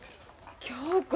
恭子。